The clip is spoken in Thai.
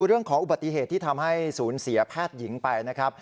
เรื่องของอุบัติเหตุที่ทำให้ศูนย์เสียแพทย์หญิงไปนะครับ